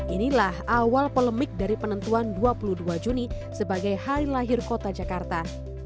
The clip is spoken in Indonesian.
inilah awal polemik dari penentuan dua puluh dua juni sebagai hari lahir kota jakarta